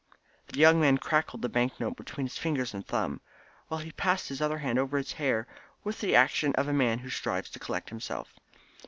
The young man crackled the bank note between his fingers and thumb, while he passed his other hand over his hair with the action of a man who strives to collect himself.